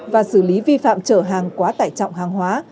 và xử lý vi phạm trở hàng quá tải trọng hàng hóa